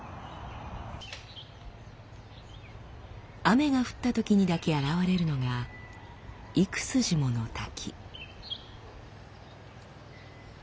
雨が降ったときにだけ現れるのが幾筋もの滝。